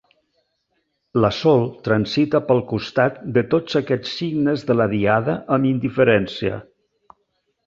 La Sol transita pel costat de tots aquests signes de la diada amb indiferència.